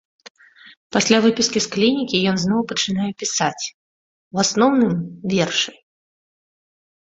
Пасля выпіскі з клінікі ён зноў пачынае пісаць, у асноўным вершы.